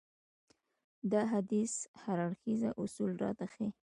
دا حديث هر اړخيز اصول راته ښيي.